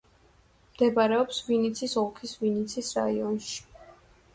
მდებარეობს ვინიცის ოლქის ვინიცის რაიონში.